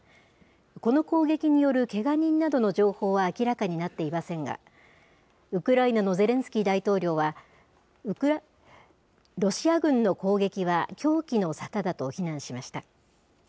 この攻撃によるけが人などの情報は明らかになっていませんが、ウクライナのゼレンスキー大統領は、ロシア軍の攻撃は狂気の沙汰だと非難しました。